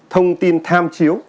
thông tin tham chiếu